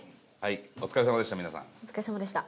高橋：お疲れさまでした。